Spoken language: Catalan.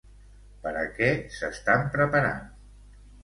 Per a què s'estan preparant?